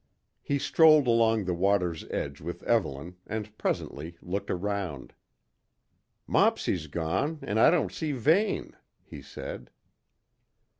He strolled along the water's edge with Evelyn, and presently looked round. "Mopsy's gone, and I don't see Vane," he said.